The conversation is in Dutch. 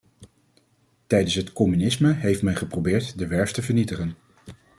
Tijdens het communisme heeft men geprobeerd de werf te vernietigen.